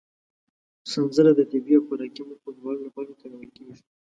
سنځله د طبي او خوراکي موخو دواړو لپاره کارول کېږي.